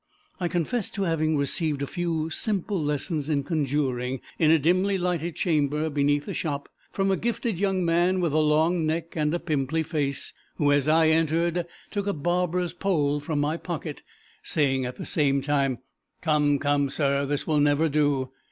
I confess to having received a few simple lessons in conjuring, in a dimly lighted chamber beneath a shop, from a gifted young man with a long neck and a pimply face, who as I entered took a barber's pole from my pocket, saying at the same time, "Come, come, sir, this will never do."